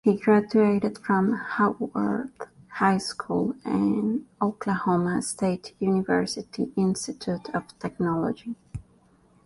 He graduated from Haworth High School and Oklahoma State University Institute of Technology.